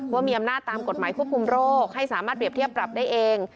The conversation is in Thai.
ว่ามีอำนาจตามกฎหมายควบคุมโรคให้สามารถเปรียบเทียบปรับได้เอง